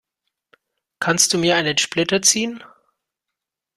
Kannst du mir einen Splitter ziehen?